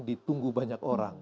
ditunggu banyak orang